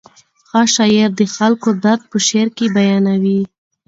ښه شاعر د خلکو درد په شعر کې بیانوي.